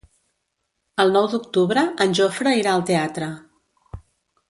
El nou d'octubre en Jofre irà al teatre.